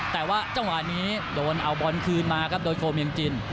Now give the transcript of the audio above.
แต่ว่าจังหวะนี้โดนเอาบอลคืนมาครับโดยโคเมียงจิน